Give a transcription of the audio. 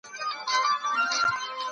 شجاع الدوله واک ته ورسېد.